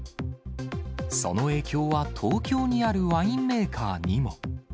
その影響は東京にあるワインメーカーにも。